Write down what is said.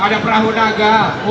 ada perahu naga